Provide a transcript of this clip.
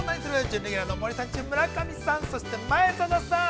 準レギュラーの森三中・村上さん、そして前園さん。